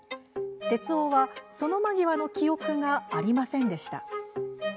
徹生は、その間際の記憶がありませんでした。